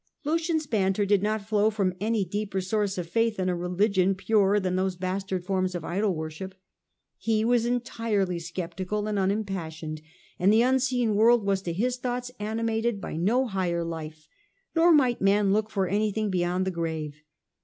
Lucian's banter did not flow from any deeper source of faith in a religion purer than those bastard forms of idol worship. He was entirely sceptical and unimpassioned, and the unseen world was to his thoughts animated by no higher life, nor might man look for anything beyond the grave.